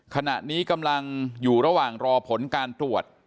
ขณะนี้กำลังอยู่ระหว่างรอผลการตรวจ